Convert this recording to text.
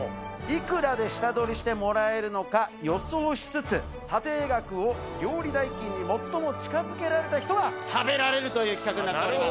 いくらで下取りしてもらえるのか予想しつつ、査定額を料理代金に最も近づけられた人が食べられるという企画になるほど。